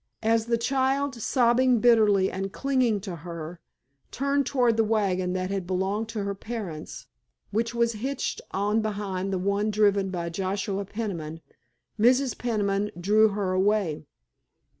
As the child, sobbing bitterly and clinging to her, turned toward the wagon that had belonged to her parents, which was hitched on behind the one driven by Joshua Peniman, Mrs. Peniman drew her away.